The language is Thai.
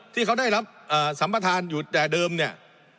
ที่เขาได้รับสัมประธานอยู่แต่เดิมเนี่ย